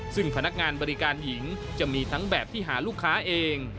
ซึ่งพนักงานบริการหญิงจะมีทั้งแบบที่หาลูกค้าเอง